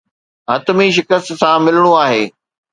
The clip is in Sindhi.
حتمي شڪست سان ملڻو آهي.